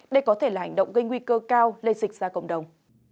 đây có thể là hành động gây nguy cơ cao lây dịch ra cộng đồng